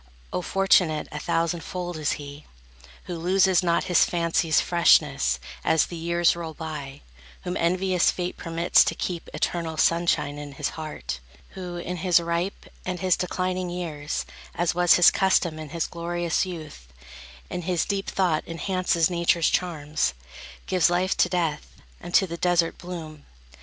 Oh, fortunate a thousand fold is he, Who loses not his fancy's freshness as The years roll by; whom envious Fate permits To keep eternal sunshine in his heart, Who, in his ripe and his declining years, As was his custom in his glorious youth, In his deep thought enhances Nature's charms, Gives life to death, and to the desert, bloom.